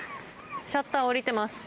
シャッター、下りてます。